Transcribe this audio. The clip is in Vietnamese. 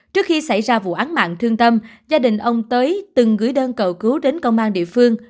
trước khi xảy ra vụ án mạng thương tâm gia đình ông tới từng gửi đơn cầu cứu đến công an địa phương